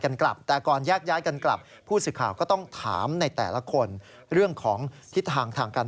นั่งรอท่านรองนายยกอยู่นาน